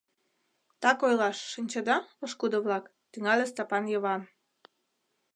— Так ойлаш, шинчеда, пошкудо-влак, — тӱҥале Стапан Йыван.